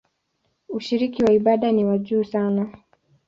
Ushiriki wa ibada ni wa juu sana.